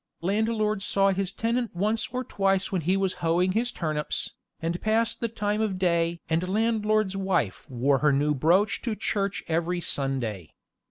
Landlord he saw his tenant once or twice when he was hoeing his turnips, and passed the time of day and landlord's wife wore her new brooch to church every Sunday.